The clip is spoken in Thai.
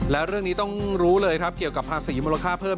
แล้วเรื่องนี้ต้องรู้เลยครับเกี่ยวกับภาษีมูลค่าเพิ่ม